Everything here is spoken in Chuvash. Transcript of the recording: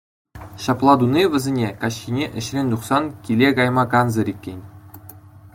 Ҫапла туни вӗсене каҫхине ӗҫрен тухсан киле кайма кансӗр иккен.